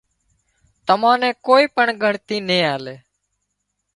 تمان نين ڪوئي پڻ ڳڻتي نين آلي